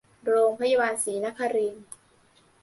โรงพยาบาลศรีนครินทร์